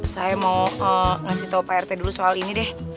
saya mau ngasih tau pak rt dulu soal ini deh